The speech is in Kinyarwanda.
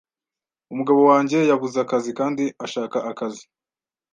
Umugabo wanjye yabuze akazi kandi ashaka akazi.